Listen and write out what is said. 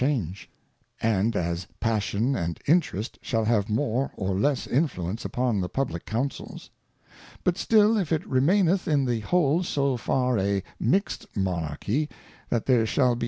C&fl22#e, and as Passion and Interest shall have more or less Influence upon the Publick Councils ; but still, if it remaineth in the vphole so far a mixt Monarchy, that there shall, be..